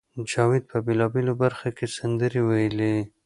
جاوید په بېلابېلو برخو کې سندرې وویلې